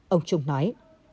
ông trung nói